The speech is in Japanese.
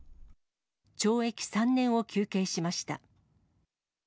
懲役３年を求刑しました。